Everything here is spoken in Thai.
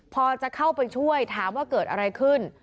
พอจะเข้าไปช่วยถามว่าเกิดอะไรขึ้น